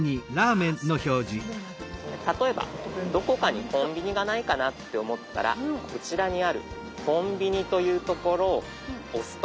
例えばどこかにコンビニがないかなって思ったらこちらにある「コンビニ」という所を押すと。